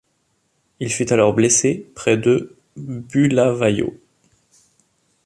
Il fut alors blessé près de Bulawayo.